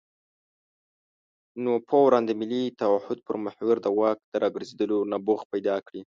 نو فوراً د ملي تعهد پر محور د واک راګرځېدلو نبوغ پیدا کړي.